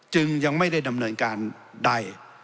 จึงยังไม่ได้ดำเนินการใด